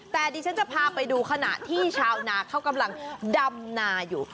แต่ดิฉันจะพาไปดูขณะที่ชาวนาเขากำลังดำนาอยู่